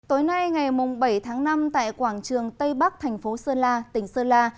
tối nay ngày bảy tháng năm tại quảng trường tây bắc thành phố sơn la tỉnh sơn la